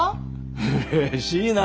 うれしいなあ。